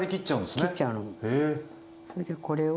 それでこれを。